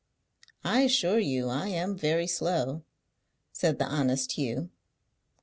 "I assure you I am very slow," said the honest Hugh.